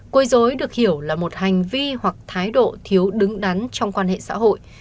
quấy dối được hiểu là một hành vi hoặc thái độ thiếu đứng đắn trong quan hệ xã hội